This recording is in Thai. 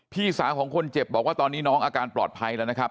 พี่สาวของคนเจ็บบอกว่าตอนนี้น้องอาการปลอดภัยแล้วนะครับ